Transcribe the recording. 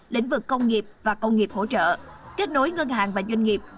lĩnh vực công nghiệp và công nghiệp hỗ trợ kết nối ngân hàng và doanh nghiệp